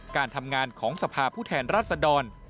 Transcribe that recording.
การทำงานของสภาพผู้แทนรัศดร